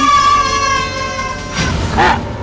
ถ้าคุณมาเจออาจารย์คนที่ทำพิธีให้คุณ